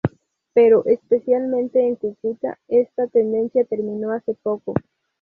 Pero, especialmente en Cúcuta, esta tendencia terminó hace poco.